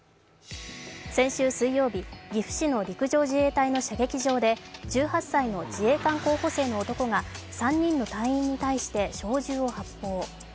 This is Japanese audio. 先週水曜日、岐阜市の陸上自衛隊の射撃場で１８歳の自衛官候補生の男が３人の隊員に対して小銃を発砲。